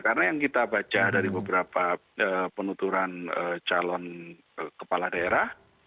karena yang kita baca dari beberapa penuturan calon kepala daerah